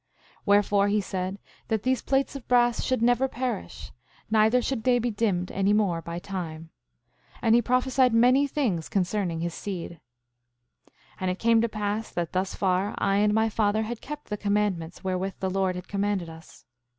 5:19 Wherefore, he said that these plates of brass should never perish; neither should they be dimmed any more by time. And he prophesied many things concerning his seed. 5:20 And it came to pass that thus far I and my father had kept the commandments wherewith the Lord had commanded us.